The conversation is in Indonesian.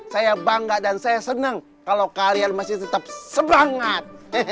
saya bangga dan saya senang kalau kalian masih tetap semangat